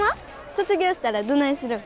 卒業したらどないするん？